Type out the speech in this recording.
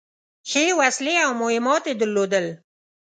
ښې وسلې او مهمات يې درلودل.